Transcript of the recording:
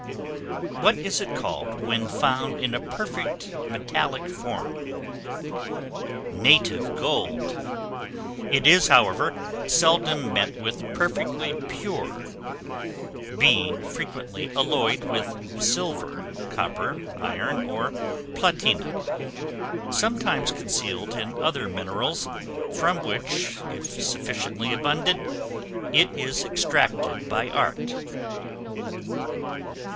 What is it called when found in a perfect metallic form? Native gold: it is, however, seldom met with perfectly pure, being frequently alloyed with silver, copper, iron, or platina; sometimes concealed in other minerals; from which, if sufficiently abundant, it is extracted by art.